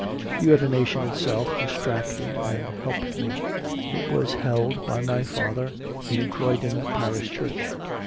The ordination itself distracted and helped me. It was held by my father in Croydon parish church.